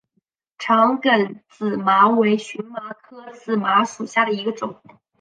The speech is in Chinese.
长梗紫麻为荨麻科紫麻属下的一个种。